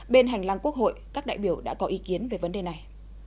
bên hành lang quốc hội các đại biểu đã có ý kiến về vấn đề này